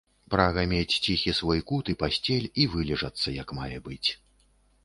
Прага мець ціхі свой кут і пасцель і вылежацца як мае быць.